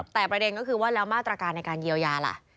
แต่ประเด็นก็คือว่าแล้วมาตรการในการเยียวยาล่ะ